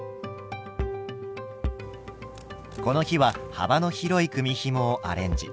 この日は幅の広い組みひもをアレンジ。